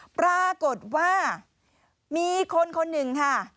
ปรากฏว่ามีคนคนหนึ่งค่ะ